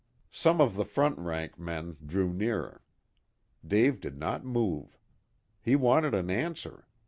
Some of the front rank men drew nearer. Dave did not move. He wanted an answer.